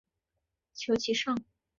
求其上